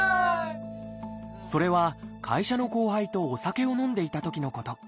それは会社の後輩とお酒を飲んでいたときのこと。